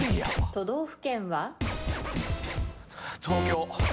都道府県は？